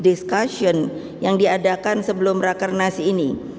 setelah fokus grup diskusi yang diadakan sebelum rakarnasi ini